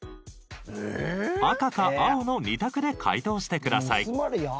赤か青の２択で解答してください。